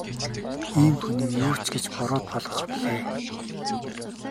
Ийм хүнийг юу ч гэж буруут болгох билээ.